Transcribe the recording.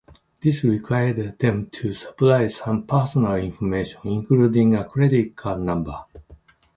This required them to supply some personal information, including a credit card number.